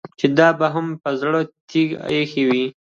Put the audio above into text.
چې دې به هم په زړه تيږه اېښې وي.